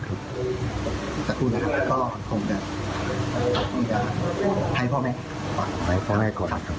ให้พ่อแม่ก่อน